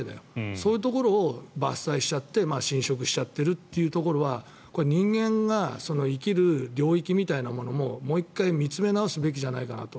そういうところを伐採しちゃって侵食しちゃっているというところはこれは人間が生きる領域みたいなものももう１回、見つめ直すべきじゃないかなと。